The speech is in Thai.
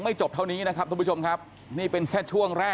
ไม่ใช่ของของของผิดหนี้